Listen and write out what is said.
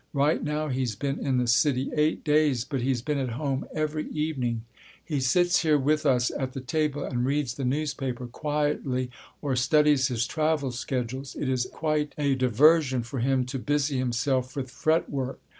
Right now he's been in the city eight days, but he's been at home every evening. He sits here with us at the table and reads the newspaper quietly or studies his travel schedules. It's a quite a diversion for him to busy himself with fretwork.